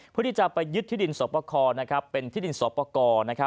เพื่อที่จะไปยึดที่ดินสอบประคอเป็นที่ดินสอปกร